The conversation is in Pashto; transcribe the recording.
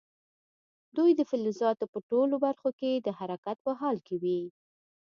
دوی د فلزاتو په ټولو برخو کې د حرکت په حال کې وي.